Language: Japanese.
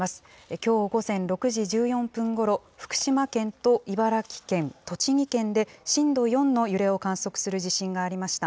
きょう午前６時１４分ごろ、福島県と茨城県、栃木県で震度４の揺れを観測する地震がありました。